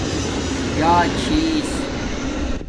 جݳچھیس